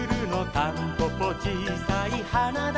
「たんぽぽちいさいはなだけど」